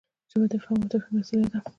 ژبه د افهام او تفهیم یوه وسیله ده.